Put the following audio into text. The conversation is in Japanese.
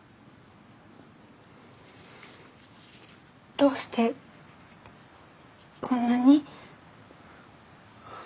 どうしてこんなに？